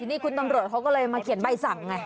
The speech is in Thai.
นี่คุณตำรวจเขาก็เลยมาเขียนใบสั่งไง